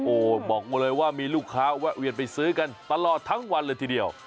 โอ้โหบอกมาเลยว่ามีลูกค้าแวะเวียนไปซื้อกันตลอดทั้งวันเลยทีเดียว